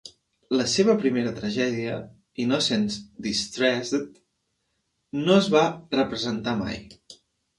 La seva primera tragèdia, "Innocence Distress'd", no es va representar mai.